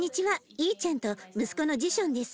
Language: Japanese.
イーチェンと息子のジションです。